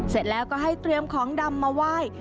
เสร็จแล้วก็ให้เตรียมของดำมาไหว้